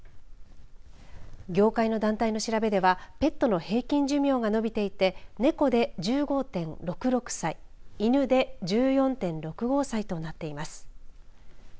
業界の団体の調べではペットの平均寿命が延びていて猫で１５．６６歳犬で１４．６５歳となっています。